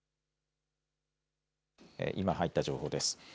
今、入った情報です。